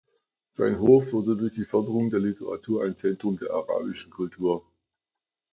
Sein Hof wurde durch die Förderung der Literatur ein Zentrum der arabischen Kultur.